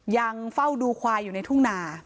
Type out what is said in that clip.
ยังเฝ้าดูควายอยู่ในทุ่งนา